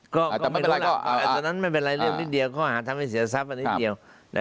ก็ไม่เป็นไรตอนนั้นไม่เป็นไรเรื่องนิดเดียวข้อหาทำให้เสียทรัพย์มานิดเดียว